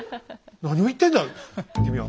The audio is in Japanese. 何を言ってんだ君は。